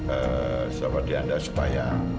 eh siapa di anda supaya